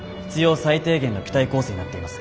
最低限の機体構成になっています。